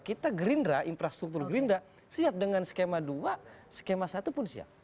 kita gerindra infrastruktur gerindra siap dengan skema dua skema satu pun siap